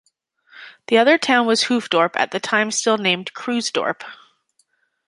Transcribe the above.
The other town was Hoofddorp, at the time still named Kruisdorp.